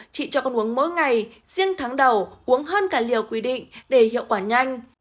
con uống mỗi ngày riêng tháng đầu uống hơn cả liều quy định để hiệu quả nhanh